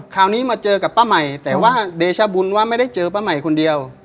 คราวนี้มาเจอกับป้าใหม่แต่ว่าเดชบุญว่าไม่ได้เจอป้าใหม่คนเดียว